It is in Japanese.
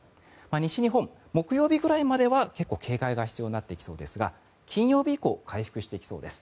西日本、木曜日くらいまでは結構、警戒が必要になりそうですが金曜日以降回復してきそうです。